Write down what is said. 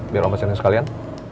biar om pesennya sekalian